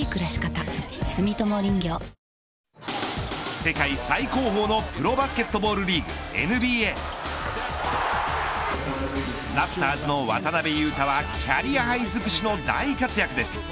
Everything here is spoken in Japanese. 世界最高峰のプロバスケットボールリーグＮＢＡラプターズの渡邊雄太はキャリアハイ尽くしの大活躍です。